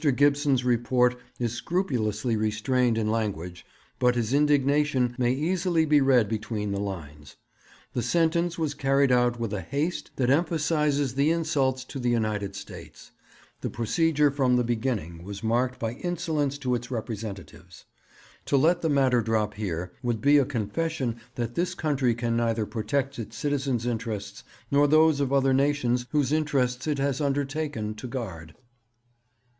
Gibson's report is scrupulously restrained in language, but his indignation may easily be read between the lines. The sentence was carried out with a haste that emphasizes the insults to the United States; the procedure from the beginning was marked by insolence to its representatives. To let the matter drop here would be a confession that this country can neither protect its citizens' interests, nor those of other nations whose interests it has undertaken to guard.'